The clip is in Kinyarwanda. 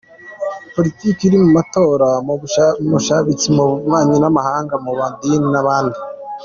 Politiki iri mu matora, mu bushabitsi, mu bubanyi n’amahanga, mu madini n’ahandi.